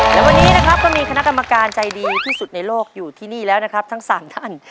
และวันนี้นะครับก็มีคณะกรรมการใจดีที่สุดในโลกอยู่ที่นี่แล้วนะครับทั้ง๓ท่าน